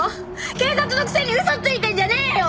警察のくせに嘘ついてんじゃねえよ！